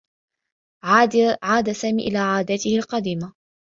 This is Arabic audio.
عاد سامي إلى عاداته القديمة.